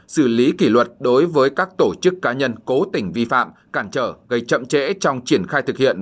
xử lý kỷ luật đối với các tổ chức cá nhân cố tình vi phạm cản trở gây chậm trễ trong triển khai thực hiện